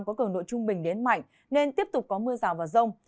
có cường độ trung bình đến mạnh nên tiếp tục có mưa rào và rông